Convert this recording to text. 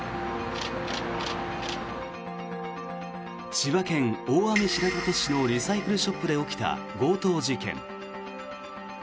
千葉県大網白里市のリサイクルショップで起きた強盗事件。